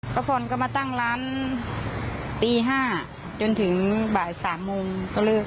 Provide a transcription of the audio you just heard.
พระพรก็มาตั้งร้านตี๕จนถึงบ่าย๓โมงก็เลิก